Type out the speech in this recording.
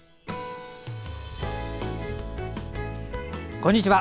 こんにちは。